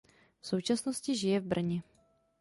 V současnosti žije v Brně.